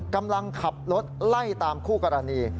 กำลังขับรถไล่ตามคู่กรณี